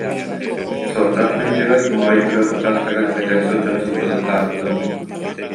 Суордаах нэһилиэгэр, Моой Үрэх учаастагар эдэр сылдьан сылгыһыттаабытым